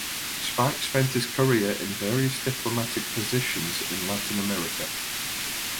Sparks spent his career in various diplomatic positions in Latin America.